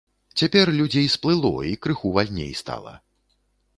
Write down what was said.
Цяпер людзей сплыло, і крыху вальней стала.